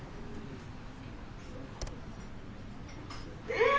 え！